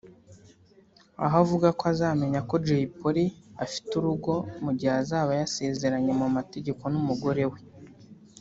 Aho avuga ko azamenya ko Jay Polly afite urugo mugihe azaba yasezeranye mu mategeko n’umugore we